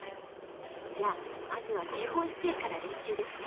じゃあまずは基本姿勢から練習ですね。